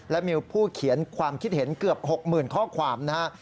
และมีผู้เขียนความคิดเห็นเกือบ๖๐๐๐ข้อความนะฮะ